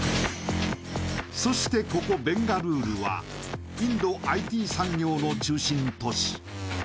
そしてここベンガルールはインド、ＩＴ産業の中心都市。